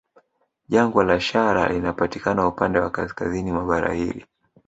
Jangwa la Shara linapatikana upande wa kaskazini mwa bara hili